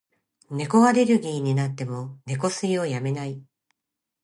猫アレルギーになっても、猫吸いをやめない。